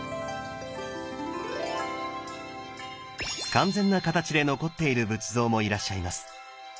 完全な形で残っている仏像もいらっしゃいます。